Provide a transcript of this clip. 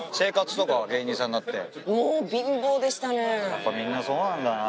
やっぱみんなそうなんだな。